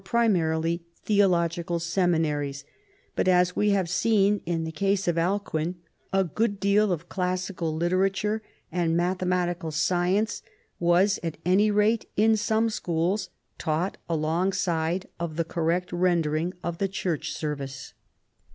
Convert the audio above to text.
primiirily theological seminaries, but as we have seen in the case of Alcuin, a gootl deal of classical literature and mathematical science was, at any rate in some schools, taught alongside of the correct rendering of the church service.